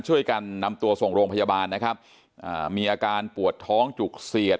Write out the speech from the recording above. ช่วยกันนำตัวส่งโรงพยาบาลนะครับอ่ามีอาการปวดท้องจุกเสียด